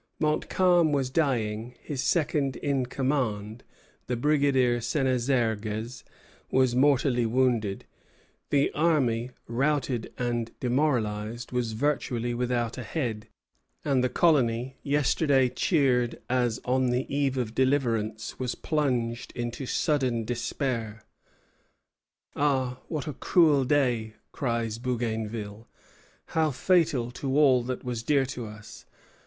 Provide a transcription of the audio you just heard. Montcalm was dying; his second in command, the Brigadier Senezergues, was mortally wounded; the army, routed and demoralized, was virtually without a head; and the colony, yesterday cheered as on the eve of deliverance, was plunged into sudden despair. "Ah, what a cruel day!" cries Bougainville; "how fatal to all that was dearest to us!